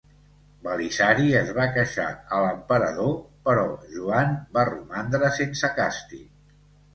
Belisari es va queixar a l'emperador però Joan va romandre sense càstig.